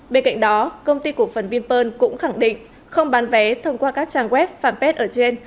bên cạnh đó công ty cổ phần vinpearl cũng khẳng định không bán vé thông qua các trang web fanpage ở trên